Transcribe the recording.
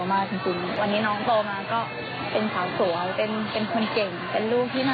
ไม่มีใครเจออะไร